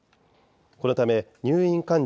このため入院患者